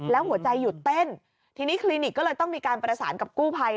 แล้วหัวใจหยุดเต้นทีนี้คลินิกก็เลยต้องมีการประสานกับกู้ภัย